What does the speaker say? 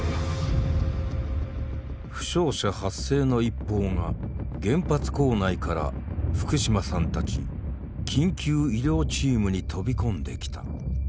負傷者発生の一報が原発構内から福島さんたち緊急医療チームに飛び込んできた。